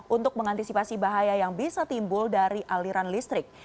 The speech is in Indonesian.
untuk mengantisipasi bahaya yang bisa timbul dari aliran listrik